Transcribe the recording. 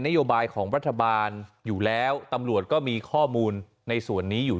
โยบายของรัฐบาลอยู่แล้วตำรวจก็มีข้อมูลในส่วนนี้อยู่